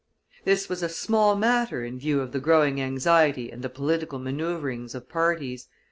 This was a small matter in view of the growing anxiety and the political manoeuvrings of parties.